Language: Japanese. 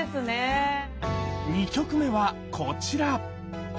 ２曲目はこちら！